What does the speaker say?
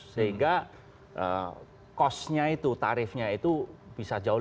sehingga cost nya itu tarifnya itu bisa jauh